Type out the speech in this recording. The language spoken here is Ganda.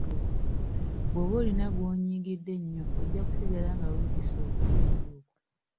Bwoba olina gw'onyiigidde ennyo ojja kusigala nga wetisse okunyiiga okwo.